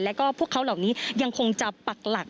แล้วก็พวกเขาเหล่านี้ยังคงจะปักหลัก